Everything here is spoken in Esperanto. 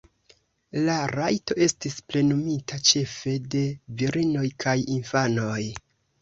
La rajto estis plenumita ĉefe de virinoj kaj infanoj.